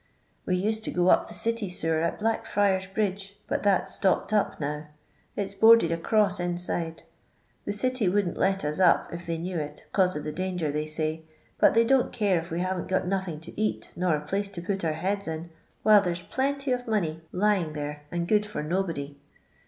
We used to go up the city sewer at Black friars bridge, but that 's stopped up now ; it 's boarded across inside. The city wouldn't let us up if they knew it, 'cause of the danger, they say, but they don't care if we hav'n't got nothink to eat nor a place to put our heads in, while there 's plenty of money 154 LONDON LABOUR AND TUB LONDON POOR. Ijing there and good for nobody.